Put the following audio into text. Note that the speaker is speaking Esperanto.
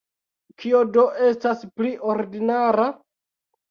Kio do estas pli ordinara?